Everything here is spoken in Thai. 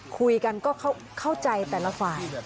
คุยกันก็เข้าใจแต่ละฝ่าย